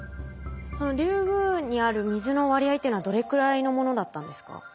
そのリュウグウにある水の割合っていうのはどれくらいのものだったんですか？